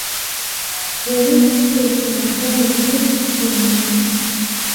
Wenyeji pia wana zao la miti ya ulanzi